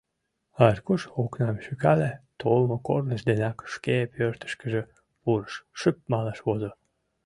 Аркуш окнам шӱкале, толмо корныж денак шке пӧртышкыжӧ пурыш, шып малаш возо.